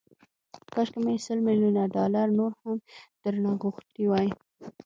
کاشکي مې سل ميليونه ډالر نور هم درنه غوښتي وای